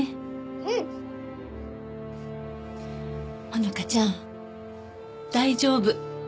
穂花ちゃん大丈夫。